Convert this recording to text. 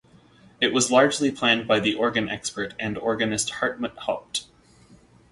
It was largely planned by the organ expert and organist Hartmut Haupt.